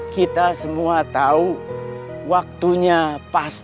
kita semua tahu waktunya pas